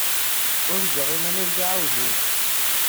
Urgaɣ iman-iw d aɛewdiw.